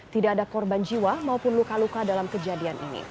tidak ada korban jiwa maupun luka luka dalam kejadian ini